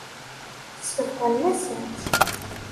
Sebɣen-asen-tt.